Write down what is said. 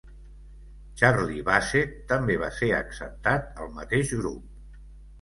Charlie Bassett també va ser acceptat al mateix grup.